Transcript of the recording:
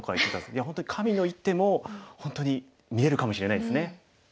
いや本当に神の一手も本当に見えるかもしれないですね。